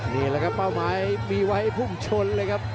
นี่แหละครับเป้าหมายมีไว้พุ่งชนเลยครับ